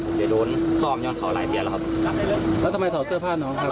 ผมจะโดนซ่อมย่อนเขาหลายเดือนแล้วครับแล้วทำไมถอดเสื้อผ้าน้องครับ